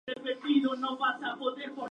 Éste es el último disco que sacan como grupo.